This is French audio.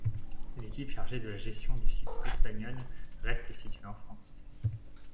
L'équipe chargée de la gestion du site espagnol reste située en France.